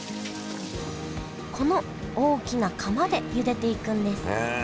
この大きな釜でゆでていくんですへえ。